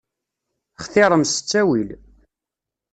Xtiṛem s ttawil.